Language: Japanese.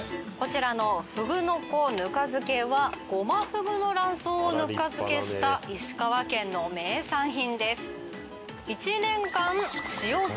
こちらのふぐの子ぬか漬はゴマフグの卵巣をぬか漬けした石川県の名産品です。